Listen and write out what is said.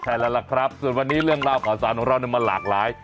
ใช่แล้วล่ะครับส่วนวันนี้เรื่องราวข่าวสารของเรามันหลากหลาย